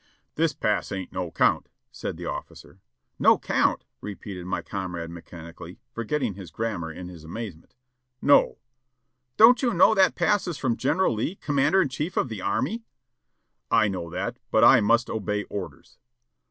"This pass ain't no 'count," said the officer. "No 'count?" repeated my comrade mechanically, forgetting his grammar in his amazement. "No!" "Don't you know that pass is from General Lee, Commander in Chief of the Army?" "I know that, but I must obey orders."